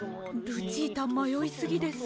ルチータまよいすぎです。